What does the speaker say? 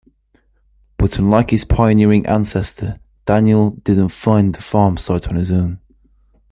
But unlike his pioneering ancestor Daniel didn't find the farm site on his own.